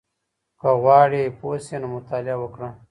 که غواړې پوه شې نو مطالعه وکړه.